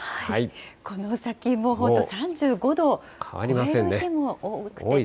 この先も本当、３５度を超える日も多くて。